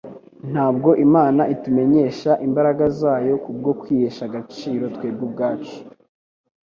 Ntabwo Imana itumenyesha imbaraga zayo kubwo kwihesha agaciro twebwe ubwacu,